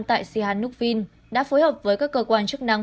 tại sihanouk vinh đã phối hợp với các cơ quan chức năng